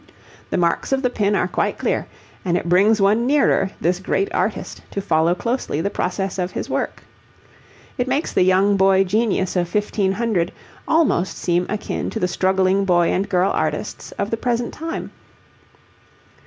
The marks of the pin are quite clear, and it brings one nearer this great artist to follow closely the process of his work. It makes the young boy genius of 1500 almost seem akin to the struggling boy and girl artists of the present time.